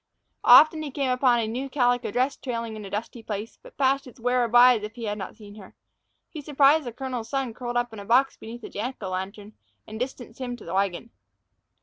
Often he came upon a new calico dress trailing in a dusty place, but passed its wearer by as if he had not seen her. He surprised the colonel's son curled up in a box beneath a Jack o' lantern, and distanced him to the wagon.